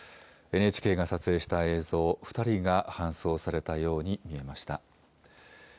ＮＨＫが撮影した映像、２人が搬送されたように見えました。